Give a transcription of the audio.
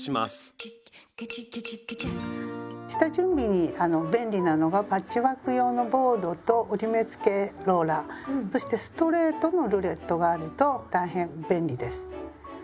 下準備に便利なのがパッチワーク用のボードと折り目つけローラーそしてストレートのルレットがあると大変便利です。